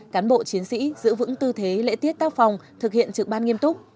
cán bộ chiến sĩ giữ vững tư thế lễ tiết tác phòng thực hiện trực ban nghiêm túc